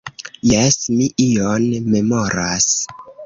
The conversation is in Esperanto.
Jes, mi ion memoras.